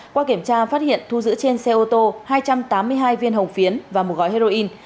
qua kiểm tra phát hiện thu giữ trên xe ô tô hai trăm tám mươi hai viên hồng phiến và một gói heroin